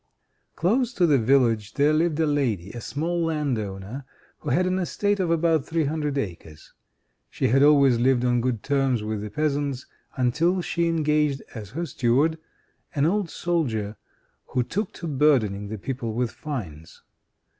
II Close to the village there lived a lady, a small landowner, who had an estate of about three hundred acres. She had always lived on good terms with the peasants, until she engaged as her steward an old soldier, who took to burdening the people with fines.